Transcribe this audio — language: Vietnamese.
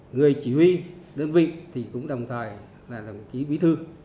người chỉ huy đơn vị thì cũng đồng thời là đồng chí bí thư